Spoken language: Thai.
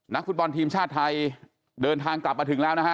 ฟุตบอลทีมชาติไทยเดินทางกลับมาถึงแล้วนะฮะ